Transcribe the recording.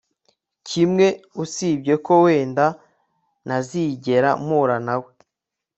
kimwe usibye ko wenda ntazigera mpura nawe